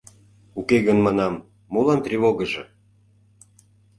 — Уке гын, манам, молан тревогыжо?